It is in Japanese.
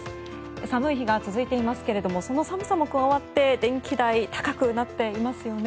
寒い日が続いていますけれどもその寒さも加わって電気代、高くなっていますよね。